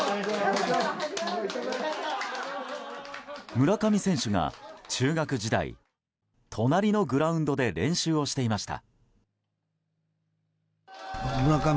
村上選手が中学時代隣のグラウンドで練習をしていました。